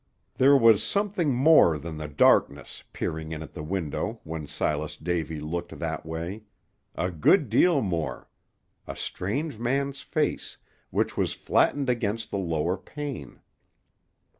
There was something more than the darkness peering in at the window when Silas Davy looked that way; a good deal more a strange man's face, which was flattened against the lower pane.